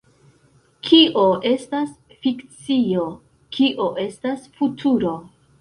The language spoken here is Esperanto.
Kio estas fikcio, kio estas futuro?